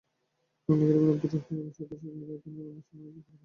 বাংলা একাডেমির আবদুল করিম সাহিত্যবিশারদ মিলনায়তনে অনুষ্ঠানের আয়োজন করা হয়।